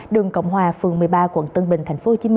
đường cộng hòa phường một mươi ba quận tân bình tp hcm